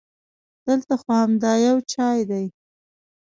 دلته خو همدا یو چای دی.